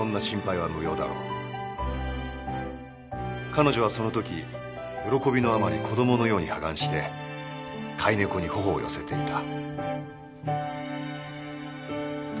「彼女はそのとき喜びのあまり子供のように破顔して飼い猫に頬を寄せていた」